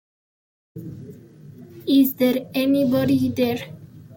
Is There Anybody There?